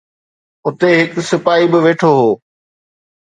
اتي هڪ سپاهي به ويٺو هو